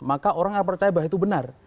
maka orang tidak percaya bahwa itu benar